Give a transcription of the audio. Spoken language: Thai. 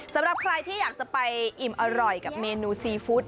สำหรับใครที่อยากจะไปอิ่มอร่อยกับเมนูซีฟู้ด